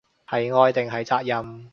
係愛定係責任